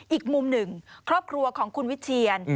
อีกมุมหนึ่งครอบครัวของคุณวิเชียน